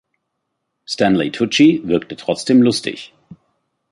Stanley Tucci wirke trotzdem lustig.